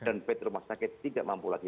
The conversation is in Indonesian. dan pet rumah sakit tidak mampu lagi